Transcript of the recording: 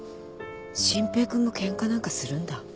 真平君もケンカなんかするんだ。